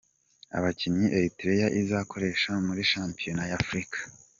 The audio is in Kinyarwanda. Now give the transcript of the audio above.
Abakinnyi Eritrea izakoresha muri shampiyona y’Afurika:.